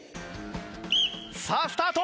さあスタート！